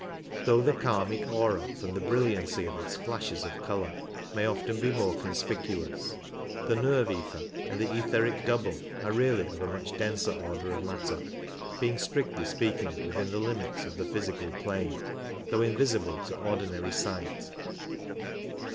'rhough tlie k^mic aura from the brilliancy of its flashes of colour may often be more conspicuous, the nerve ether and the etheric double are really of a much denser order of matter, being strictly speaking within the limits of the physical plane, though invisible to ordinary sight.